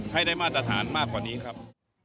ให้ได้มาตรฐานมากกว่านี้ครับ